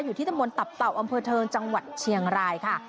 อยู่ที่ตำบลตับเต่าอำเภอเทิงจังหวัดเชียงรายค่ะ